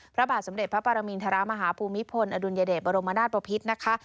พระบาทสมเด็จพระปรมินทรมาฮภูมิพลอดุลยเดชบรมนาศปภิษนะคะ